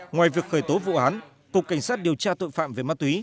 ngoài việc khởi tố vụ án cục cảnh sát điều tra tội phạm về ma túy